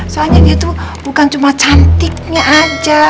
soalnya dia tuh bukan cuma cantiknya aja